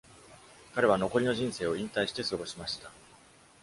彼は残りの人生を引退して過ごしました。